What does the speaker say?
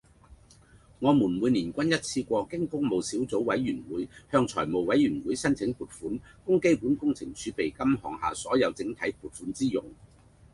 我們每年均一次過經工務小組委員會向財務委員會申請撥款，供基本工程儲備基金項下所有整體撥款支用